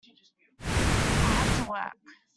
I had to work.